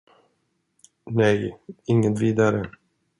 Nej, inget vidare.